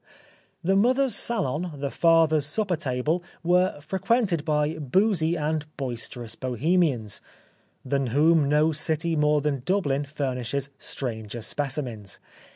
The mother's salon, the father's supper table were frequented by boozy and boisterous Bohemians, than whom no city more than Dublin furnishes stranger specimens.